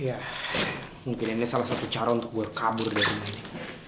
ya mungkin ini salah satu cara untuk gue kabur dari ini